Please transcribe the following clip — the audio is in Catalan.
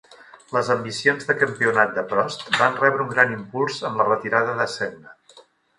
Les ambicions de campionat de Prost van rebre un gran impuls amb la retirada de Senna.